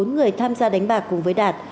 một mươi bốn người tham gia đánh bạc cùng với đạt